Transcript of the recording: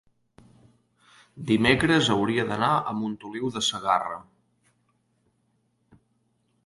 dimecres hauria d'anar a Montoliu de Segarra.